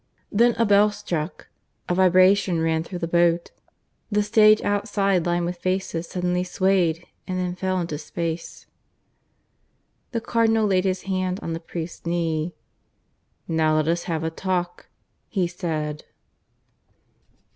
Then a bell struck, a vibration ran through the boat, the stage outside lined with faces suddenly swayed and then fell into space. The Cardinal laid his hand on the priest's knee. "Now let us have a talk," he said.